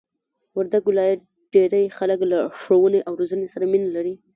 وردګ ولایت ډېرئ خلک له ښوونې او روزنې سره مینه لري!